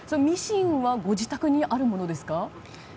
ミシンはご自宅にあるものですか？